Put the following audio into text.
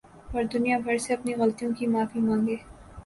اور دنیا بھر سے اپنی غلطیوں کی معافی ما نگے